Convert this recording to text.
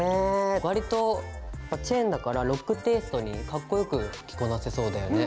わりとまあチェーンだからロックテイストにかっこよく着こなせそうだよね。